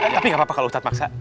tapi gak apa apa kalau ustadz maksa